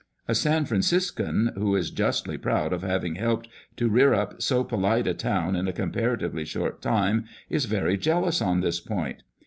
A San Franciscan, who is justly proud of having helped to rear up so polite a town in a comparatively short time, is very jealous on this point.